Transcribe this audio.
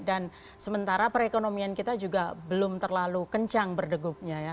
dan sementara perekonomian kita juga belum terlalu kencang berdegupnya ya